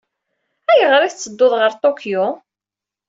Ayɣer ay tettedduḍ ɣer Tokyo?